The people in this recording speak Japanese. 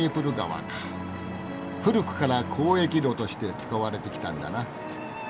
古くから交易路として使われてきたんだな。